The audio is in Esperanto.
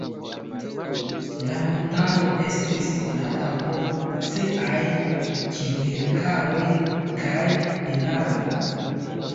La montaro estis konata pro siaj kverkaroj kaj pinaroj.